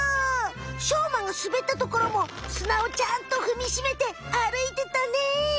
しょうまがすべったところもすなをちゃんとふみしめてあるいてたね。